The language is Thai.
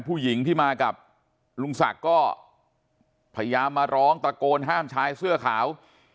ผู้หญิงที่มากับลุงศักดิ์ก็พยายามมาร้องตะโกนห้ามชายเสื้อขาว